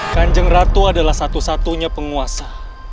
kanjeng ratu adalah satu satunya penguasa